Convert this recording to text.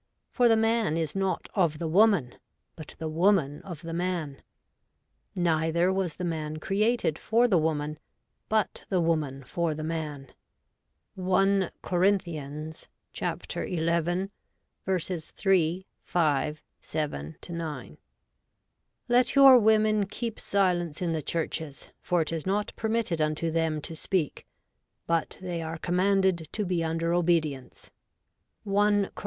For the man is not of the woman ; but the woman of the man. Neither was the man created for the woman ; but the woman for the man ' (i Cor. xi. 3, 5, 7 9). ' Let your women keep silence in the churches : for it is not permitted unto them to speak : but they are commanded to be under obedience' (i Cor.